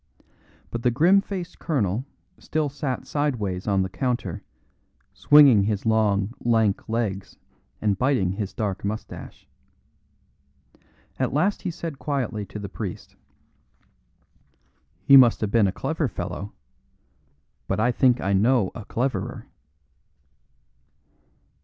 But the grim faced colonel still sat sideways on the counter, swinging his long, lank legs and biting his dark moustache. At last he said quietly to the priest: "He must have been a clever fellow, but I think I know a cleverer."